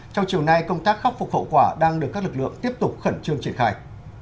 trong chiều nay công tác khắc phục hậu quả đang được các lực lượng tiếp tục khẩn trương triển khai